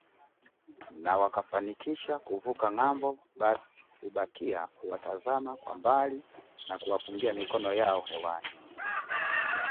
Na wakifanikisha kuvuka ng’ambo basi hubakia kuwatazama kwa mbali na kuwapungia mikono yao hewani